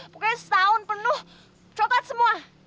pokoknya setahun penuh coklat semua